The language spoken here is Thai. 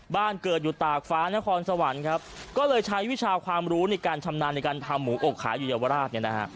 บ้านเกิดอยู่ตากฟ้านครสวรรค์ครับก็เลยใช้วิชาความรู้ในการชำนาญในการทำหมูอบขายอยู่เยาวราชเนี่ยนะฮะ